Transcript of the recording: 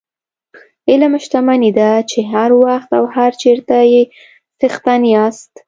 علم شتمني ده چې هر وخت او هر چېرته یې څښتن یاست.